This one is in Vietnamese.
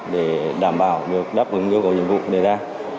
để đảm bảo được đáp ứng yêu cầu nhiệm vụ đề ra